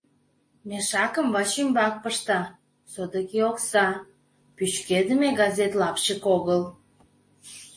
Мешакым вачӱмбак пышта, содыки окса, пӱчкедыме газет лапчык огыл.